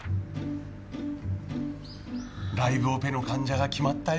ライブオペの患者が決まったよ。